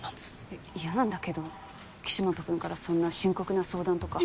えっ嫌なんだけど岸本君からそんな深刻な相談とか。